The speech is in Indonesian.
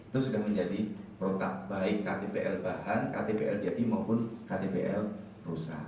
itu sudah menjadi protak baik ktpl bahan ktpl jadi maupun ktpl rusak